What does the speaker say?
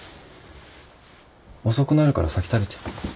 遅くなるから先食べて。